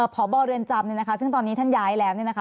พบเรือนจำซึ่งตอนนี้ท่านย้ายแล้ว